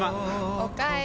おかえり。